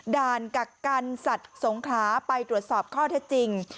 ด่านกักกันสัตว์สงคลาไปตรวจสอบข้อแท้จริง